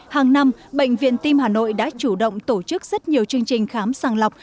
hàng năm bệnh viện tim hà nội đã chủ động tổ chức rất nhiều chương trình khám sàng lọc